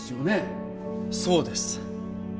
そうです。